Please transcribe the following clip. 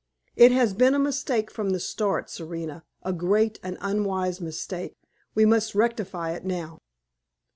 It has been a mistake from the start, Serena, a great and unwise mistake; we must rectify it now."